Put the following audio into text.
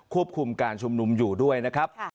ควบคุมการชุมนุมอยู่ด้วยนะครับ